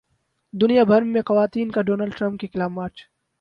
دنیا بھر میں خواتین کا ڈونلڈ ٹرمپ کے خلاف مارچ